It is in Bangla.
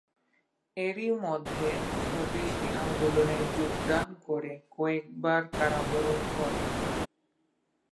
এরই মধ্যে স্বদেশী আন্দোলনে যোগদান করে কয়েকবার কারাবরণ করেন।